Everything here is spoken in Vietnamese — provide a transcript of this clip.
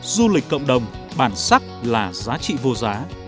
du lịch cộng đồng bản sắc là giá trị vô giá